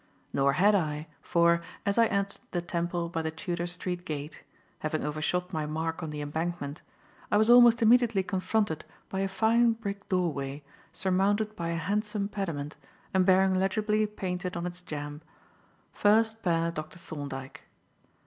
Nor had I, for, as I entered the Temple by the Tudor Street gate having overshot my mark on the Embankment I was almost immediately confronted by a fine brick doorway surmounted by a handsome pediment and bearing legibly painted on its jamb, "First pair, Dr. Thorndyke."